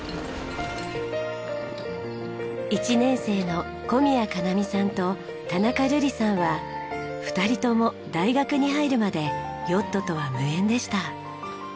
１年生の小宮奏美さんと田中瑠莉さんは２人とも大学に入るまでヨットとは無縁でした。